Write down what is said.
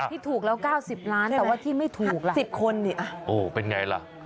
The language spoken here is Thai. ที่ถูกแล้ว๙๐ล้านแต่ว่าที่ไม่ถูกล่ะ๑๐คนนี่โอ้เป็นไงล่ะ